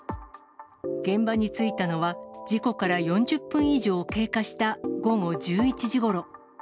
現場に着いたのは事故から４０分以上経過した午後１１時ごろ。